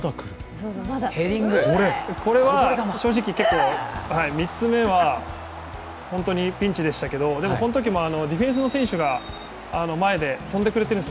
これは正直、結構、３つ目は本当にピンチでしたけど、でもこのときもディフェンスの選手が前で跳んでくれてるんです。